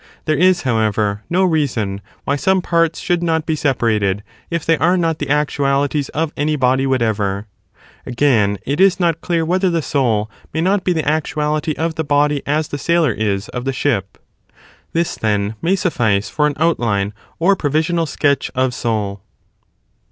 There is, however, no reason why some parts should not be separated, if they are not the actualities IO of any body whatever. Again, it is not clear whether the soul 13 Apossible may not be the actuality of the body as the sailor is of the analogy. ship. This, then, may suffice for an outline or provisional sketch of soul.